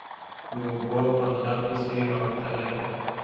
_د اوبو په غلا پسې راوتلی.